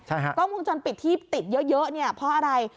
ใช่ค่ะกล้องวงจรปิดที่ติดเยอะเนี่ยเพราะอะไร